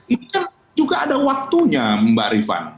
ini kan juga ada waktunya mbak rifan